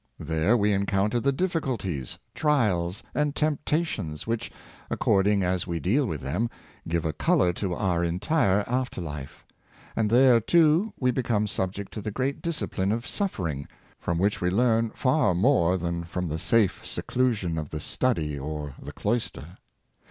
There we en counter the difficulties, trials, and temptations which, according as we deal with them, give a color to our entire after life; and there, too, we become subject to the great discipline of suffering, from which we learn far more than from the safe seclusion of the study or the cloister.